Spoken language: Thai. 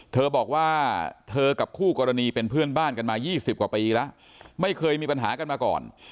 เธอบอกว่าเธอกับคู่กรณีเป็นเพื่อนบ้านกันมา๒๐กว่าปีแล้วไม่เคยมีปัญหากันมาก่อน